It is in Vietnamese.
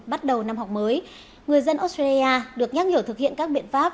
bắt đầu năm học mới người dân australia được nhắc nhở thực hiện các biện pháp